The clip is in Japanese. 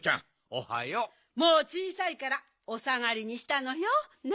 もうちいさいからおさがりにしたのよ。ね。